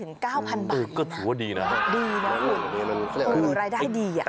เออก็ถือว่าดีนะครับคือรายได้ดีนะครับ